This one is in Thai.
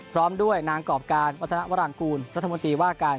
พร้อมด้วยนางกรอบการวัฒนวรางกูลรัฐมนตรีว่าการ